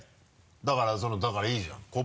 だからそのだからいいじゃん。